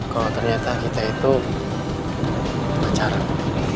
kalau ternyata kita itu pacaran